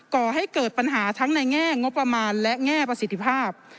ก่อให้เกิดปัญหาทั้งในแง่งบประมาณและแง่ประสิทธิภาพ